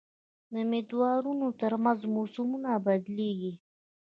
د مدارونو تر منځ موسمونه بدلېږي.